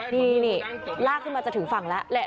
นี่ลากขึ้นมาจะถึงฝั่งแล้วแหละ